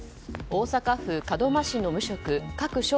大阪府門真市の無職加久翔